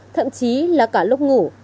thậm chí là cả lúc ngủ